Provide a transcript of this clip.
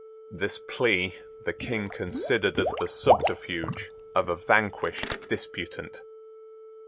This plea the King considered as the subterfuge of a vanquished disputant.